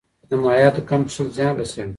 د مایعاتو کم څښل زیان رسوي.